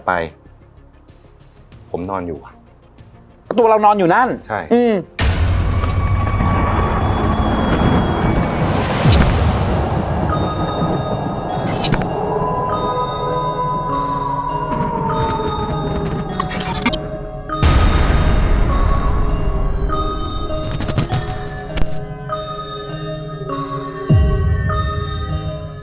ไปผมนอนอยู่อ่ะก็ตัวเรานอนอยู่นั่นใช่อืม